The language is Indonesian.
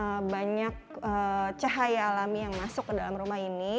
karena banyak cahaya alami yang masuk ke dalam rumah ini